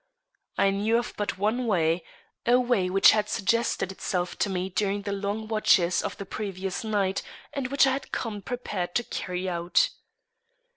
I knew of but one way a way which had suggested itself to me during the long watches of the previous night, and which I had come prepared to carry out.